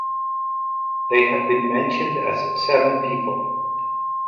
They have been mentioned as seven people.